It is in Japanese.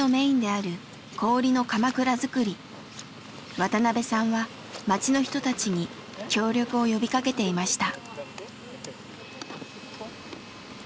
渡邊さんは町の人たちに協力を呼びかけていました。